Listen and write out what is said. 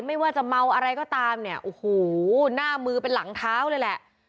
ไม่ว่าจะเมาอะไรก็ตามเนี่ยโอ้โหหน้ามือเป็นหลังเท้าเลยแหละ